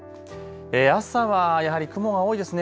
朝はやはり雲が多いですね。